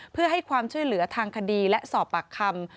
เพื่อให้ความช่วยเหลือทางคดีและสอบปากคำ